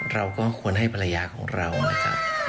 เราก็ควรให้ภรรยาของเรานะครับ